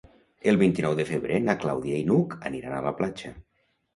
El vint-i-nou de febrer na Clàudia i n'Hug aniran a la platja.